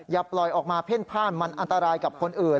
อย่าปล่อยออกมาเพ่นผ้านมันอันตรายกับคนอื่น